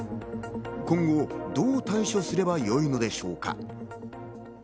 今後どう対処すればよいのでしょうか。